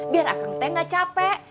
biar akang teh gak capek